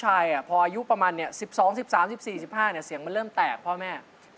ชายพออายุประมาณเนี่ย๑๒๑๓๑๔๑๕เนี่ยเสียงมันเริ่มแตกพ่อแม่ซึ่ง